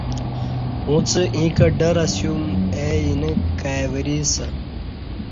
اُݩڅ ایں کہ ڈر اسیوم اے اِ نیہ کائی ورئ اسہ